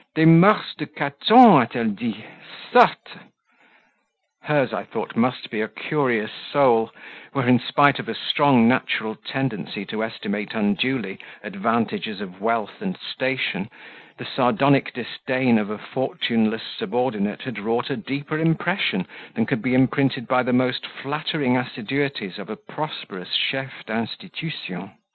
des moeurs de Caton a t elle dit sotte!" Hers, I thought, must be a curious soul, where in spite of a strong, natural tendency to estimate unduly advantages of wealth and station, the sardonic disdain of a fortuneless subordinate had wrought a deeper impression than could be imprinted by the most flattering assiduities of a prosperous CHEF D'INSTITUTION.